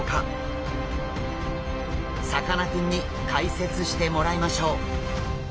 さかなクンに解説してもらいましょう。